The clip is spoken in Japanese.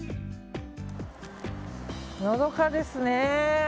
のどかですね。